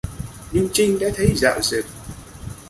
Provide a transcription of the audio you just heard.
Nhưng trinh đã thấy rạo rực